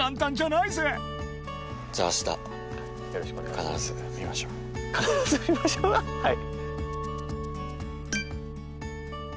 必ず見ましょうはい。